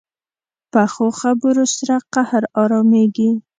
پخو خبرو سره قهر ارامېږي